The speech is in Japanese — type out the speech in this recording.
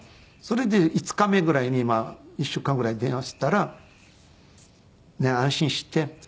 それで５日目ぐらいに１週間ぐらい電話したら「安心して。